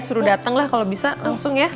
suruh datang lah kalau bisa langsung ya